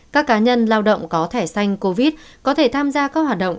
các cá nhân lao động có thẻ xanh covid có thể tham gia các hoạt động